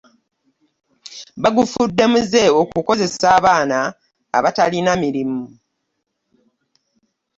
Bagufudde muze okukozesa abaana abatalina mirimu